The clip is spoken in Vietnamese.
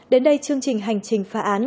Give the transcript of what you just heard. đến đây chương trình hành trình phá án